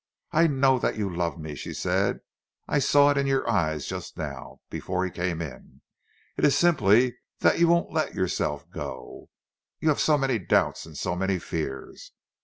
"I know that you love me," she said; "I saw it in your eyes just now, before he came in: It is simply that you won't let yourself go. You have so many doubts and so many fears.